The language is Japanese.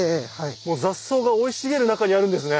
雑草が生い茂る中にあるんですね。